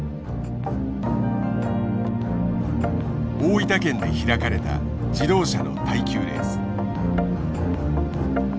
大分県で開かれた自動車の耐久レース。